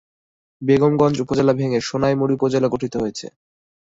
বেগমগঞ্জ উপজেলা ভেঙ্গে সোনাইমুড়ি উপজেলা গঠিত হয়েছে।